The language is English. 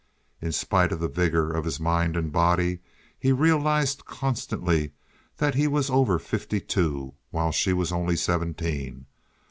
In spite of the vigor of his mind and body, he realized constantly that he was over fifty two, while she was only seventeen.